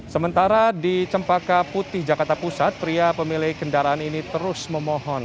sementara di cempaka putih jakarta pusat pria pemilik kendaraan ini terus memohon